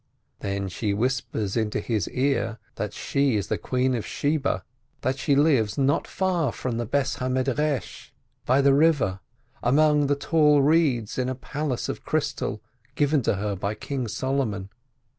Then she whispers into his ear that she is the Queen of Sheba, that she lives not far from the house of study, by the river, among the tall reeds, in a palace of crystal, given her by King Solomon.